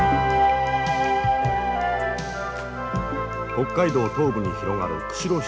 北海道東部に広がる釧路湿原。